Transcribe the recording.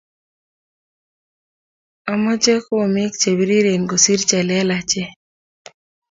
achame komek chebiriren kosir chelelechen